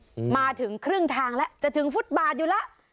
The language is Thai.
อืมมาถึงครึ่งทางแล้วจะถึงฟุตบาทอยู่แล้ว